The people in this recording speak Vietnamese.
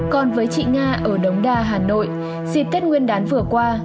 còn với chị nga ở đống đa hà nội dịp tết nguyên đán vừa qua